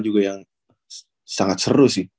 juga yang sangat seru sih